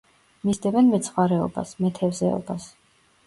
მისდევენ მეცხვარეობას, მეთევზეობას.